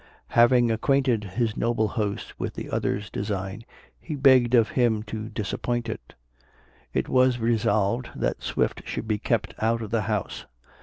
Having acquainted his noble host with the other's design, he begged of him to disappoint it. It was resolved that Swift should be kept out of the house.